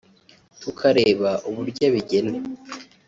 tukareba uburyo abigena